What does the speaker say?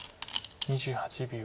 ２８秒。